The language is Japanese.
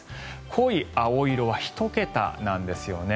濃い青色は１桁なんですよね。